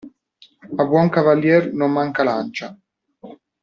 A buon cavalier non manca lancia.